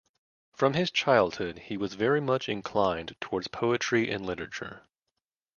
From his childhood he was very much inclined towards poetry and literature.